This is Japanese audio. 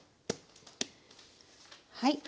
はい。